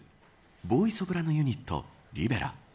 ボーイソプラノユニットリベラ